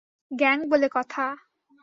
Gang বলে কথা।